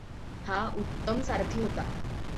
हा उत्तम सारथी होता.